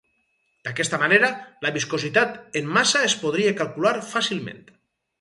D'aquesta manera, la viscositat en massa es podria calcular fàcilment.